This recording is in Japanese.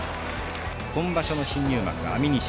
今場所の新入幕、安美錦。